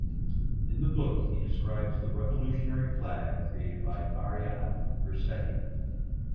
In the book he describes the revolutionary flag created by Mariana Bracetti.